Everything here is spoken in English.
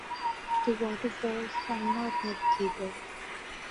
The waterfalls are not navigable.